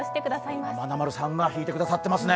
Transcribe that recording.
まなまるさんが弾いてくださっていますね。